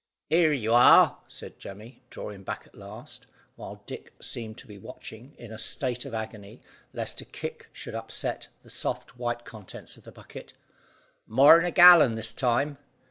"Here you are," said Jemmy, drawing back at last while Dick seemed to be watching, in a state of agony, lest a kick should upset the soft white contents of the bucket "More'n a gallon this time.